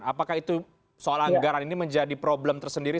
apakah itu soal anggaran ini menjadi problem tersendiri